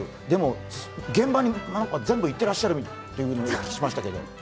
でも、現場に全部行ってらっしゃるとお聞きしましたけど？